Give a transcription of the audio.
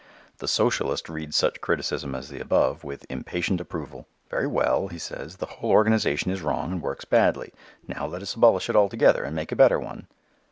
The socialist reads such criticism as the above with impatient approval. "Very well," he says, "the whole organization is wrong and works badly. Now let us abolish it altogether and make a better one."